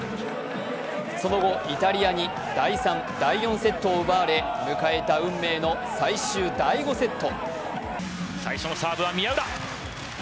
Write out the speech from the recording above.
その後、イタリアに第３、第４セットを奪われ、迎えた運命の最終第５セット。